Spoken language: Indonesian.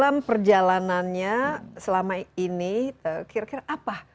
dalam perjalanannya selama ini kira kira apa